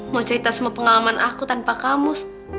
mau cerita semua pengalaman aku tanpa kamu